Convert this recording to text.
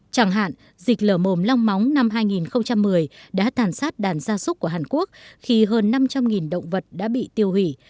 chẳng hạn dịch lở mồm long móng năm hai nghìn một mươi đã tàn sát đàn gia súc của hàn quốc khi hơn năm trăm linh động vật đã bị tiêu hủy